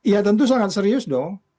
ya tentu sangat serius dong